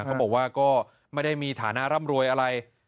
เขาบอกว่าก็ไม่ได้มีฐานะร่ำรวยอะไร